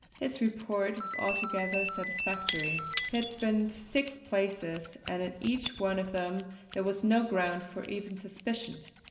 His report was altogether satisfactory; he had been to six places, and in each of them there was no ground for even suspicion.